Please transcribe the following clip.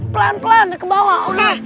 pelan pelan ke bawah oke